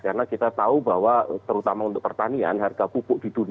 karena kita tahu bahwa terutama untuk pertanian harga kubuk diduduknya